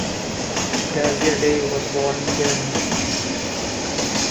Graziadei was born in Germany.